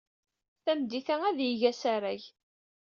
Tameddit-a, ad d-yeg asarag.